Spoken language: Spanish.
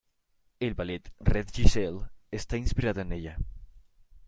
El ballet "Red Giselle" está inspirado en ella.